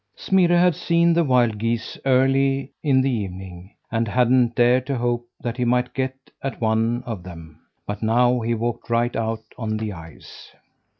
Smirre had seen the wild geese early in the evening, and hadn't dared to hope that he might get at one of them, but now he walked right out on the ice.